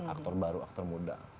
aktor baru aktor muda